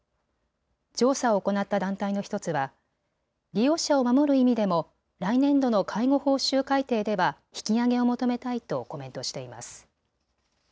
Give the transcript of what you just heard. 調査を行った団体の１つは利用者を守る意味でも来年度の介護報酬改定では引き上げを求めたいとコメントしています。